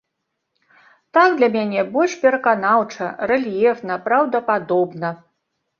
Так для мяне больш пераканаўча, рэльефна, праўдападобна.